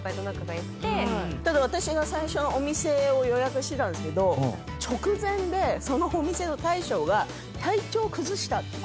ただ私が最初お店を予約してたんですけど直前でそのお店の大将が体調を崩したって。